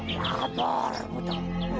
lepaskan aku putra